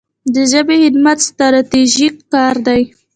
د ژبې خدمت ستراتیژیک کار دی.